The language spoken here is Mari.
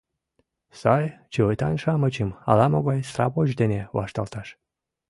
— сай чывытан-шамычым ала могай сравоч дене вашталташ...